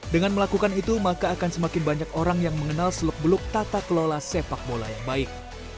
dengan melakukan itu maka akan semakin banyak orang yang mengenal seluk beluk tata kelola sepak bola yang baik